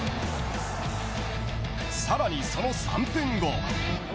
さらにその３分後。